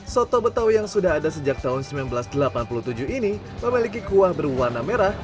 soto betawi yang sudah ada sejak tahun seribu sembilan ratus delapan puluh tujuh ini memiliki kuah berwarna merah